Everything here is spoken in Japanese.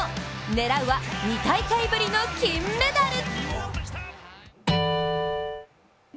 狙うは２大会ぶりの金メダル！